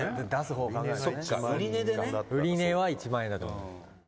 横尾：売値は１万円だと思う。